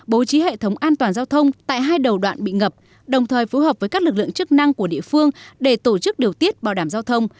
bố trí hệ thống an toàn giao thông tại hai đầu đoạn bị ngập đồng thời phối hợp với các lực lượng chức năng của địa phương để tổ chức điều tiết bảo đảm giao thông